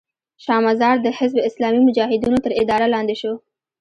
شا مزار د حزب اسلامي مجاهدینو تر اداره لاندې شو.